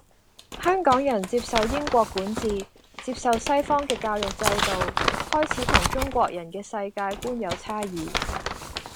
香港人接受英國管治，接受西方嘅教育制度，開始同中國人嘅世界觀有差異